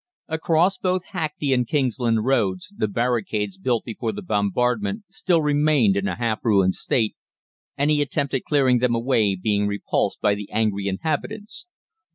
Across both Hackney and Kingsland Roads the barricades built before the bombardment still remained in a half ruined state, any attempt at clearing them away being repulsed by the angry inhabitants.